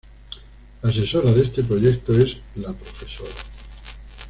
La asesora de este proyecto es la Profª.